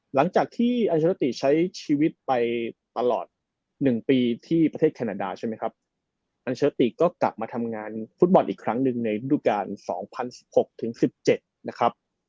หลังจากที่อัลเชอร์ติใช้ชีวิตไปตลอด๑ปีที่ประเทศแคนาดาใช่ไหมครับอัลเชอร์ติก็กลับมาทำงานฟุตบอลอีกครั้งหนึ่งในฤดูการ๒๐๑๖ถึง๑๗นะครับ